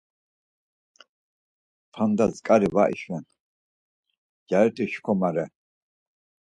P̌anda tzǩari var işven, cariti şǩomare.